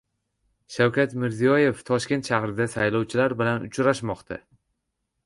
Shavkat Mirziyoyev Toshkent shahrida saylovchilar bilan uchrashmoqda